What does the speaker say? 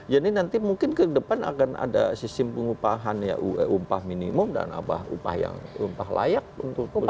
jadi nanti mungkin ke depan akan ada sistem pengupahan ya ump minimum dan apa ump yang layak untuk bekerja